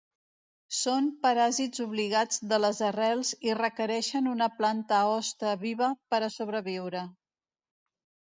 Són paràsits obligats de les arrels i requereixen una planta hoste viva per a sobreviure.